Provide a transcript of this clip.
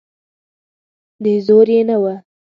د زور یې نه دی.